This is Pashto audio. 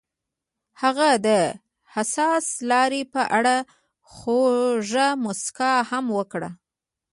هغې د حساس لاره په اړه خوږه موسکا هم وکړه.